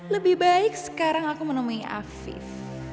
lebih baik sekarang aku menemui afif